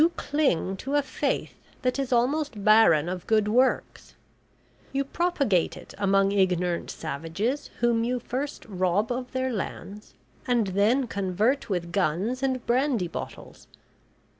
You cling to a Faith that is almost barren of good works. You propagate it among ignorant savages whom you first rob of their lands, and then convert with guns and brandy bottles.